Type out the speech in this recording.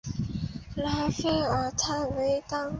拉弗尔泰维当。